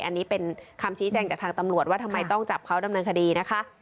อันนี้เป็นคำชี้แจงจากทางตำรวจว่าทำไมต้องจับเขาดำเนินคดีนะคะ